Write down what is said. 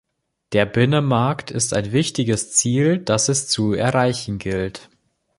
Der Binnenmarkt ist ein wichtiges Ziel, das es zu erreichen gilt.